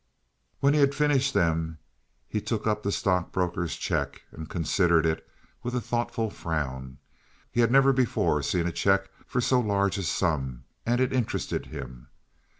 When he had finished them he took up the stockbroker's cheque and considered it with a thoughtful frown. He had never before seen a cheque for so large a sum; and it interested him.